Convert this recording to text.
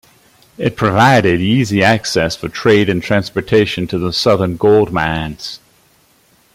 It provided easy access for trade and transportation to the southern gold mines.